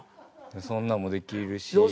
そんなんもできるし。